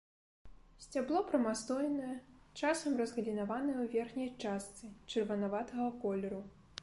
Сцябло прамастойнае, часам разгалінаванае ў верхняй частцы, чырванаватага колеру.